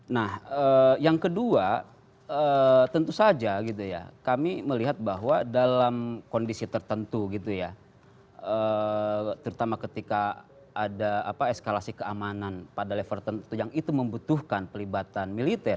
nah yang kedua tentu saja gitu ya kami melihat bahwa dalam kondisi tertentu gitu ya terutama ketika ada eskalasi keamanan pada level tertentu yang itu membutuhkan pelibatan militer